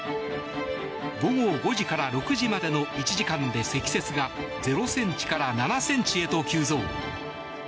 午後５時から６時までの１時間で積雪が０ｃｍから７ｃｍへと急増。